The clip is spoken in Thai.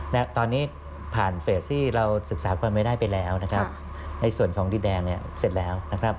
ณตอนนี้ผ่านเฟสที่เราศึกษาความไม่ได้ไปแล้วนะครับในส่วนของดินแดนเนี่ยเสร็จแล้วนะครับ